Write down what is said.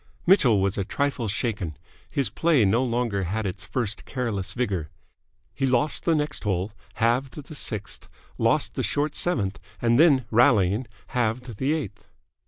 Mitchell was a trifle shaken. His play no longer had its first careless vigour. He lost the next hole, halved the sixth, lost the short seventh, and then, rallying, halved the eighth.